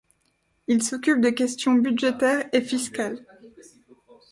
Il s'occupe de questions budgétaires et fiscales.